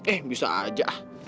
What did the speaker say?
eh bisa aja